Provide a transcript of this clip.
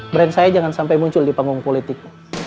brand saya jangan sampai muncul di panggung politik